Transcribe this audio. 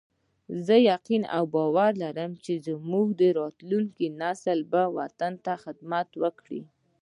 زه یقین او باور لرم چې زموږ راتلونکی نسل به د وطن خدمت وکړي